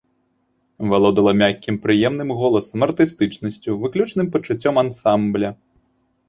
Валодала мяккім прыемным голасам, артыстычнасцю, выключным пачуццём ансамбля.